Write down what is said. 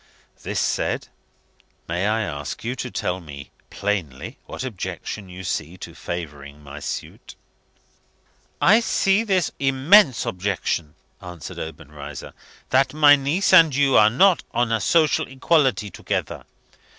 This said, may I ask you to tell me plainly what objection you see to favouring my suit?" "I see this immense objection," answered Obenreizer, "that my niece and you are not on a social equality together.